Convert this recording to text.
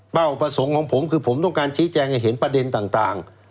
ประสงค์ของผมคือผมต้องการชี้แจงให้เห็นประเด็นต่าง